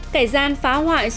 cải gian phá hoại